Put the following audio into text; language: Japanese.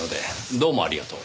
どうもありがとう。